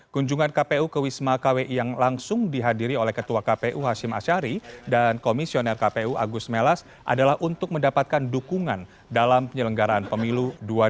kunjungan kpu ke wisma kwi yang langsung dihadiri oleh ketua kpu hashim ashari dan komisioner kpu agus melas adalah untuk mendapatkan dukungan dalam penyelenggaraan pemilu dua ribu dua puluh